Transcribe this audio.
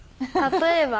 例えば？